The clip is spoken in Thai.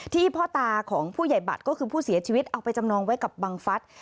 พ่อตาของผู้ใหญ่บัตรก็คือผู้เสียชีวิตเอาไปจำนองไว้กับบังฟัฐ